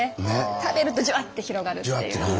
食べるとじゅわって広がるっていう。